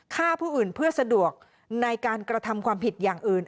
ฆ่าผู้อื่นเพื่อสะดวกในการกระทำความผิดอย่างอื่น